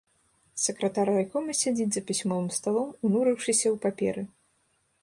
Сакратар райкома сядзіць за пісьмовым сталом, унурыўшыся ў паперы.